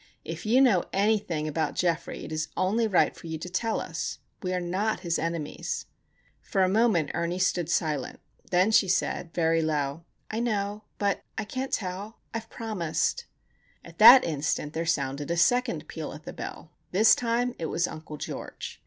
"If you know anything about Geoffrey it is only right for you to tell us. We are not his enemies." For a moment Ernie stood silent; then she said, very low, "I know, but I can't tell. I've promised." At that instant there sounded a second peal at the bell. This time it was Uncle George.